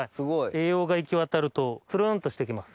栄養が行きわたるとツルンとして来ます。